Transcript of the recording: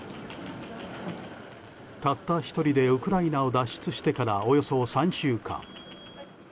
たった１人でウクライナを脱出してから、およそ３週間。